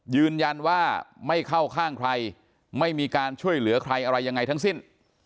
ยืนยันว่าไม่เข้าข้างใครไม่มีการช่วยเหลือใครอะไรยังไงทั้งสิ้น